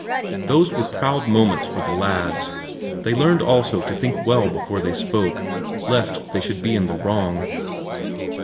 Those were proud moments for the lads, they learned also to think well before they spoke, lest they should be in the wrong.